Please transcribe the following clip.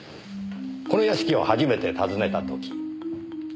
この屋敷を初めて訪ねた時あなたは。